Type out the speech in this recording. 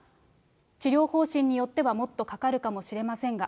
治療方針によってはもっとかかるかもしれませんが。